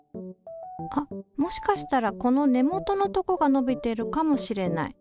あっもしかしたらこの根元のとこが伸びてるかもしれない。